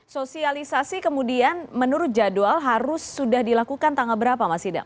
sosialisasi kemudian menurut jadwal harus sudah dilakukan tanggal berapa mas idam